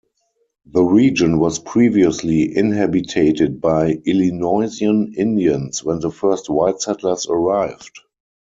The region was previously inhabited by Illinoisan Indians when the first white settlers arrived.